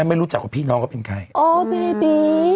ไม่รู้จักพี่น้องก็เป็นใคร